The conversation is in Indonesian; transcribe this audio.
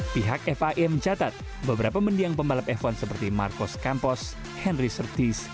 pihak fia mencatat beberapa mendiang pembalap f satu seperti marcos campos henry serties